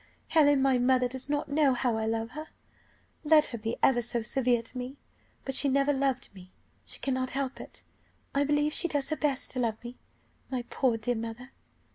Helen, my mother does not know how I love her, let her be ever so severe to me! But she never loved me; she cannot help it. I believe she does her best to love me my poor, dear mother!"